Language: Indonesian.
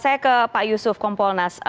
saya ke pak yusuf kompolnas